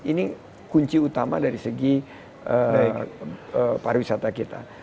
ini kunci utama dari segi pariwisata kita